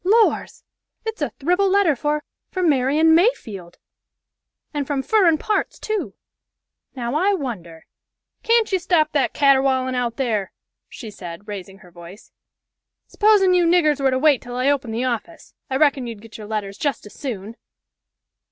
Lors! it's a thribble letter for for Marian Mayfield! And from furrin parts, too! Now I wonder (Can't you stop that caterwauling out there?" she said, raising her voice. "Sposen you niggers were to wait till I open the office. I reckon you'd get your letters just as soon.)